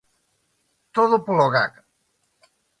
Todo polo 'gag'.